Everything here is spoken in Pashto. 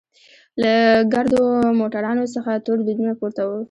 له ګردو موټرانوڅخه تور دودونه پورته وو.